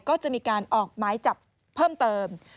ก็จะมีการออกหมายจับเพิ่มเติม